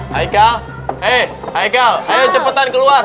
heikal heikal ayo cepetan keluar